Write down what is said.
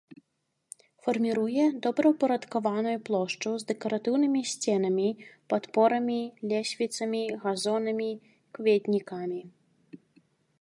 Фарміруе добраўпарадкаваную плошчу з дэкаратыўнымі сценамі-падпорамі, лесвіцамі, газонамі, кветнікамі.